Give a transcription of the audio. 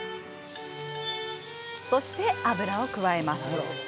そして、油を加えます。